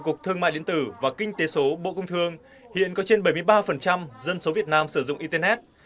cục thương mại điện tử và kinh tế số bộ công thương hiện có trên bảy mươi ba dân số việt nam sử dụng internet